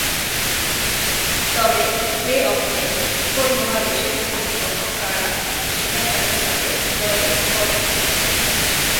তবে প্লে-অফে কোন মহাদেশের প্রতিপক্ষ কারা, সেটা জানা যাবে ড্রয়ের পরেই।